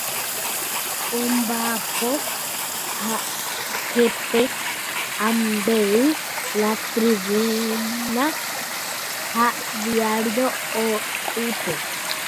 Ombaʼapo jepe avei La Tribuna ha Diario Hoype.